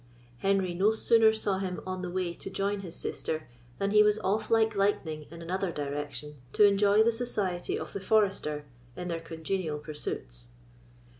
Henry no sooner saw him on the way to join his sister than he was off like lightning in another direction, to enjoy the society of the forester in their congenial pursuits.